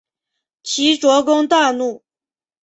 齐悼公大怒。